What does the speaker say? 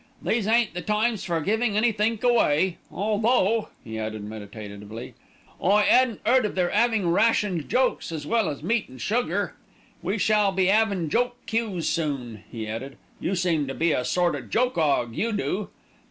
These ain't the times for givin' anythink away, although," he added meditatively, "I 'adn't 'eard of their 'avin' rationed jokes as well as meat and sugar. We shall be 'avin' joke queues soon," he added. "You seem to be a sort of joke 'og, you do."